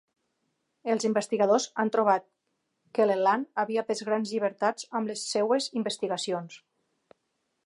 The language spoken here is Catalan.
Els investigadors han trobat que Leland havia pres grans llibertats amb les seves investigacions.